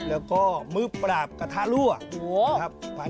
แล้วก็มือปราบกระทะรั่วนะครับ